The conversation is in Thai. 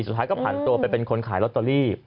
สุดท้ายก็ผ่านตัวไปเป็นคนขายลอตเตอรี่